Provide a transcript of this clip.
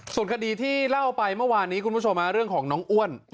ส่วนคดีที่เล่าไปเมื่อวานนี้คุณผู้ชมเรื่องของน้องอ้วน